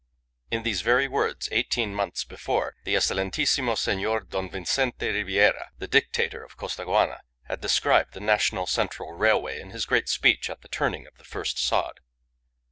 In these very words eighteen months before the Excellentissimo Senor don Vincente Ribiera, the Dictator of Costaguana, had described the National Central Railway in his great speech at the turning of the first sod.